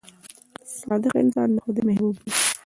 • صادق انسان د خدای محبوب وي.